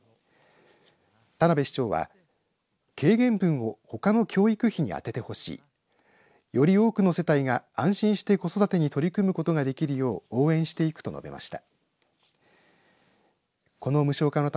田辺市長は軽減分をほかの教育費に充ててほしいより多くの世帯が安心して子育てに取り組むことができるよう応援していくと述べました。